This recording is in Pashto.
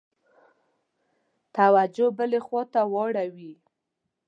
توجه بلي خواته واوړي.